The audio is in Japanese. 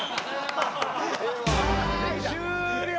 終了！